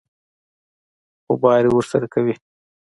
خوباري ورسره کوي.